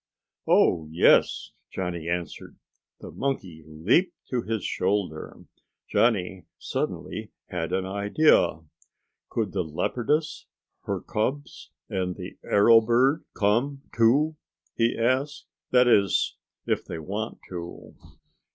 "Oh, yes," Johnny answered. The monkey leaped to his shoulder. Johnny suddenly had an idea. "Could the leopardess, her cubs, and the arrow bird come too?" he asked. "That is, if they want to?"